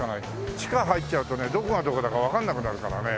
地下入っちゃうとねどこがどこだかわからなくなるからね。